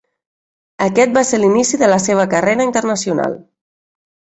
Aquest va ser l'inici de la seva carrera internacional.